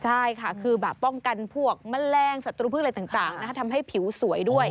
ใช่ค่ะคือแบบป้องกันพวกแมลงศัตรูพืชอะไรต่างทำให้ผิวสวยด้วย